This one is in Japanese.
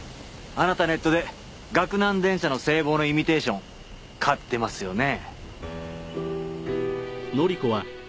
あなたネットで岳南電車の制帽のイミテーション買ってますよね？